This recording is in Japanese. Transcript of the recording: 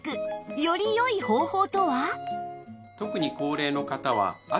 より良い方法とは？